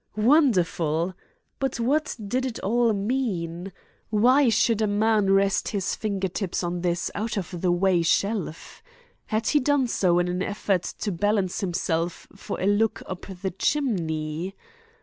Wonderful! but what did it all mean? Why should a man rest his finger tips on this out of the way shelf? Had he done so in an effort to balance himself for a look up the chimney?